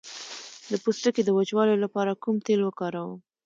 د پوستکي د وچوالي لپاره کوم تېل وکاروم؟